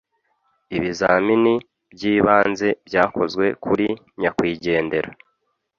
Ibizamini by’ibanze byakozwe kuri nyakwigendera